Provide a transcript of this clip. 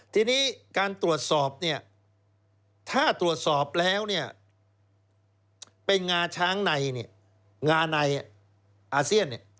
ทีนี้การตรวจสอบเนี่ยถ้าตรวจสอบแล้วเนี่ยเป็นงาช้างในเนี่ยงาในอาเซียนเนี่ย